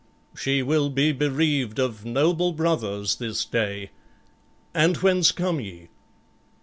She will be bereaved of noble brothers this day. And whence come ye?"